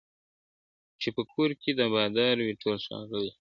چي په کور کي د بادار وي ټول ښاغلي !.